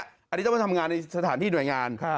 อันนี้ต้องไปทำงานในสถานที่หน่วยงาน